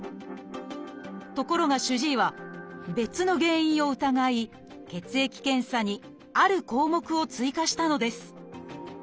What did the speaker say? ところが主治医は別の原因を疑い血液検査にある項目を追加したのです。